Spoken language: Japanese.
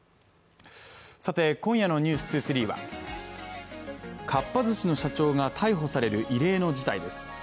さて、今夜の「ｎｅｗｓ２３」はかっぱ寿司の社長が逮捕される異例の事態です